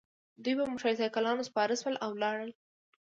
دوی په موټرسایکلونو سپاره شول او لاړل